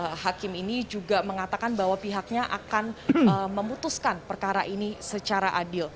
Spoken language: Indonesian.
nah hakim ini juga mengatakan bahwa pihaknya akan memutuskan perkara ini secara adil